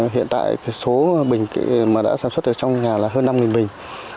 hiện tại số bình mà đã sản xuất ở trong nhà là hơn năm bình